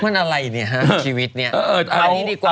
มันอะไรเนี่ยฮะชีวิตเนี่ยอันนี้ดีกว่า